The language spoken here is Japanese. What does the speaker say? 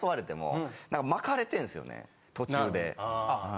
途中で。